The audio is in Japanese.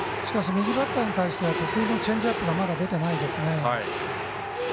右バッターに対してはチェンジアップがまだ出ていないですね。